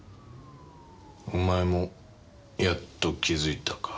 お前もやっと気付いたか。